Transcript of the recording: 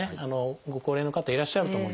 ご高齢の方いらっしゃると思うんです。